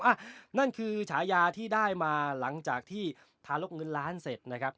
อ่ะนั่นคือฉายาที่ได้มาหลังจากที่ทารกเงินล้านเสร็จนะครับ